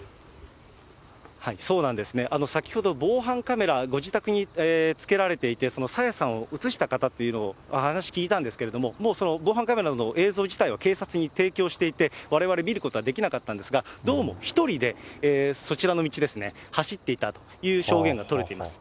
先ほど防犯カメラ、ご自宅につけられていて、その朝芽さんを写した方というの、お話聞いたんですけれども、もう防犯カメラの映像自体は警察に提供していて、われわれ見ることはできなかったんですが、どうも１人でそちらの道ですね、走っていたという証言が取れています。